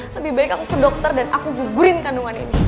lebih baik aku ke dokter dan aku gugurin kandungan ini